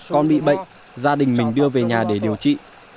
con bị bệnh gia đình mình đưa về nhà để điều trị